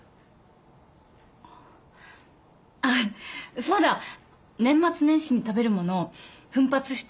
ああそうだ年末年始に食べるもの奮発して買いません？